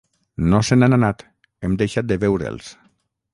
No se n'han anat, hem deixat de veure'ls.